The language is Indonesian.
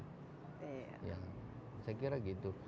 saya kira gitu